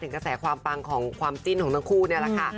กระแสความปังของความจิ้นของทั้งคู่นี่แหละค่ะ